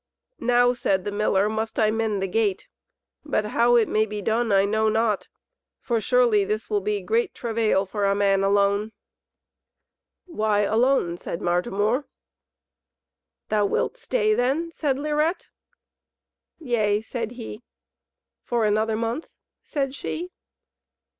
"Now," said the miller, "must I mend the gate. But how it may be done, I know not, for surely this will be great travail for a man alone." "Why alone?" said Martimor. "Thou wilt stay, then?" said Lirette. "Yea," said he. "For another month?" said she.